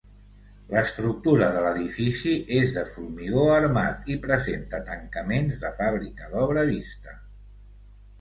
L'estructura de l'edifici és de formigó armat i presenta tancaments de fàbrica d'obra vista.